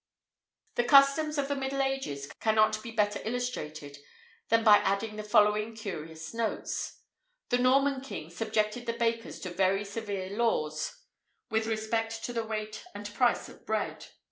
The customs of the middle ages cannot be better illustrated than by adding the following curious notes: The Norman kings subjected the bakers to very severe laws with [Illustration: Pl. 7.] respect to the weight and price of bread.